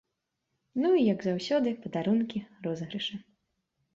Ну, і як заўсёды, падарункі, розыгрышы.